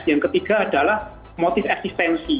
yang ketiga adalah motif eksistensi